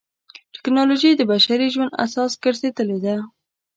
ټکنالوجي د بشري ژوند اساس ګرځېدلې ده.